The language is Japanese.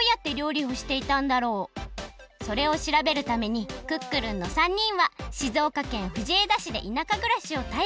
それをしらべるためにクックルンの３にんは静岡県藤枝市でいなかぐらしをた